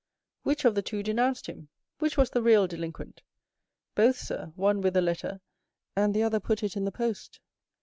"Which of the two denounced him? Which was the real delinquent?" "Both, sir; one with a letter, and the other put it in the post."